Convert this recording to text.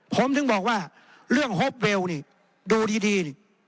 ผมถึงบอกว่าเรื่องฮอปเวลนี่ดูดีนี่